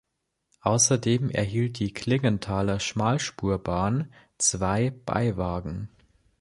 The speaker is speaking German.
Außerdem erhielt die Klingenthaler Schmalspurbahn zwei Beiwagen.